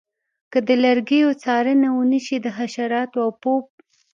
که د لرګیو څارنه ونشي د حشراتو او پوپ